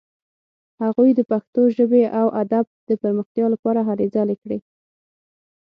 هغوی د پښتو ژبې او ادب د پرمختیا لپاره هلې ځلې کړې.